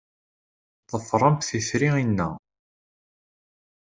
Ḍefremt itri-inna.